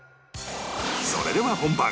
それでは本番